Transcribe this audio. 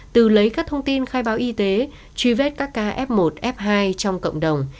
từ lấy các thông tin khai báo y tế truy vết các ca f một f hai trong cộng đồng